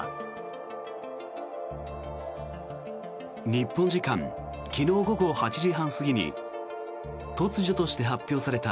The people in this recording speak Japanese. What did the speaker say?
日本時間昨日午後８時半過ぎに突如として発表された